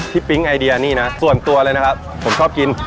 ปิ๊งไอเดียนี่นะส่วนตัวเลยนะครับผมชอบกิน